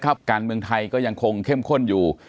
การเมืองไทยก็ยังคงเข้มข้นอยู่